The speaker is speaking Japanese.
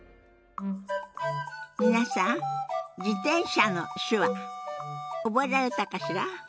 皆さん「自転車」の手話覚えられたかしら？